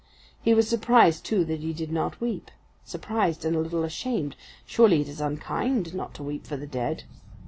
He was surprised, too, that he did not weep surprised and a little ashamed; surely it is unkind not to weep for the dead.